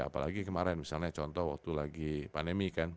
apalagi kemarin misalnya contoh waktu lagi pandemi kan